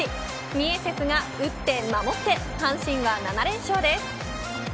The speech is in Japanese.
ミエセスが打って守って阪神は７連勝です。